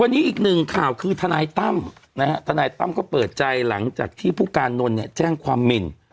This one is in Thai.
วันนี้อีกหนึ่งข่าวคือทนายตั้มนะฮะทนายตั้มก็เปิดใจหลังจากที่ผู้การนนท์เนี่ยแจ้งความหมิน